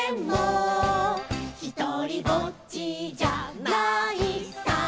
「ひとりぼっちじゃないさ」